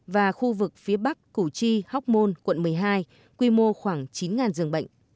và khu vực phía bắc củ chi hóc môn quận một mươi hai quy mô khoảng chín dường bệnh